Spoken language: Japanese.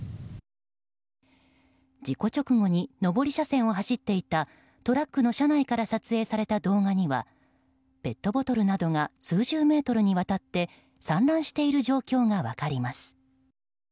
事故直後に上り車線を走っていたトラックの車内から撮影された動画にはペットボトルなどが数十メートルにわたって散乱している状況が分かります。